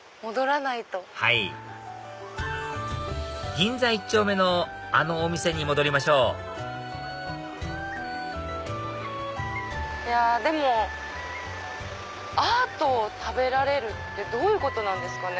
銀座一丁目のあのお店に戻りましょうでもアートを食べられるってどういうことなんですかね？